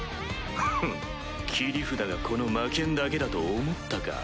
フッ切り札がこの魔剣だけだと思ったか？